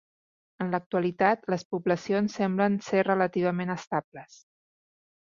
En l'actualitat les poblacions semblen ser relativament estables.